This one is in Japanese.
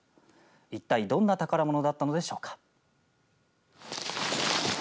一体どんな宝物だったのでしょうか。